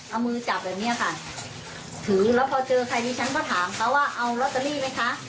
เอามือจับแบบเนี้ยค่ะถือแล้วพอเจอใครดิฉันก็ถามเขาว่าเอาลอตเตอรี่ไหมคะ